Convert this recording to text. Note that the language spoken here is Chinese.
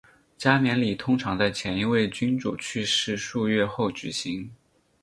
加冕礼通常在前一位君主去世数月后举行。